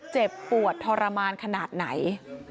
เจ็บปวดทรมานขนาดไหน